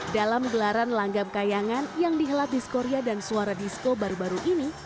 dalam gelaran langgam kayangan yang dihelap disco ria dan suara disco baru baru ini